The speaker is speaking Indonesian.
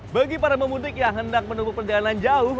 bagi para pemudik yang hendak menempuh perjalanan jauh